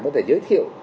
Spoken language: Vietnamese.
có thể giới thiệu